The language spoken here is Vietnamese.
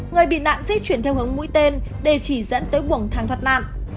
người bị nạn di chuyển theo hướng mũi tên để chỉ dẫn tới buồng thang thoát nạn